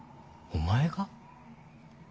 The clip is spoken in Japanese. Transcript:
お前が。